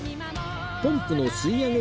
ポンプの吸い上げ